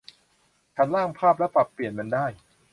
ฉันร่างภาพและปรับเปลี่ยนมันได้